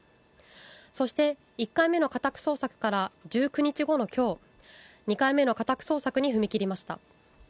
そして１回目の家宅捜索から１９日後の今日、２回目の家宅捜索に踏み切りました。